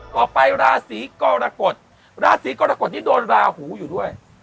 ราศีกรกฎราศีกรกฎนี้โดนราหูอยู่ด้วย